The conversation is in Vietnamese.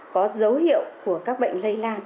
có dấu hiệu của các bệnh lây lan